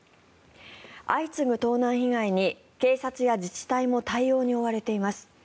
相次ぐ盗難被害に警察や自治体も対応に追われています。